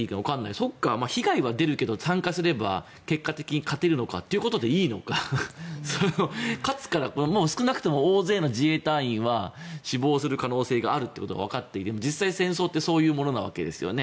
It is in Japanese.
そっか被害は出るけど参加すれば結果的に勝てるのかということでいいのか少なくとも大勢の自衛隊員は死亡する可能性があるということが分かって実際に戦争ってそういうものなわけですよね。